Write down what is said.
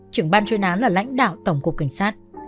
trưởng ban chuyên án là lãnh đạo tổng cục cảnh sát